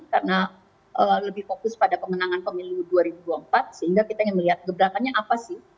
karena lebih fokus pada pemenangan pemilu dua ribu dua puluh empat sehingga kita ingin melihat geberakannya apa sih